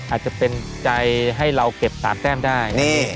อาจจะเป็นใจให้เราเก็บ๓แต้มได้